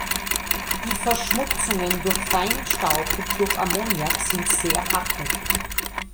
Die Verschmutzungen durch feinen Staub und durch Ammoniak sind sehr hartnäckig.